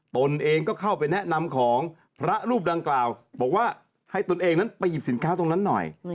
ตนเองก็เข้าไปแนะนำของพระรูปดังกล่าวบอกว่าให้ตนเองนั้นไปหยิบสินค้าตรงนั้นหน่อย